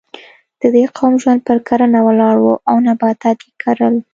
د دې قوم ژوند پر کرنه ولاړ و او نباتات یې کرل.